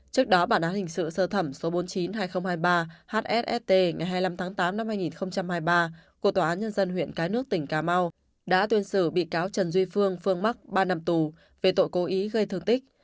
trước đó bản án hình sự sơ thẩm số bốn mươi chín hai nghìn hai mươi ba hst ngày hai mươi năm tháng tám năm hai nghìn hai mươi ba của tòa án nhân dân huyện cái nước tỉnh cà mau đã tuyên xử bị cáo trần duy phương phương mắc ba năm tù về tội cố ý gây thương tích